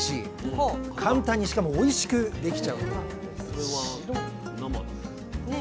簡単にしかもおいしくできちゃう料理なんです